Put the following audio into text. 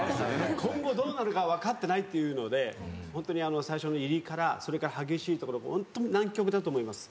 今後どうなるか分かってないっていうので最初の入りからそれから激しいところホント難曲だと思います。